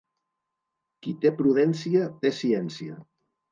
Qui té prudència, té ciència.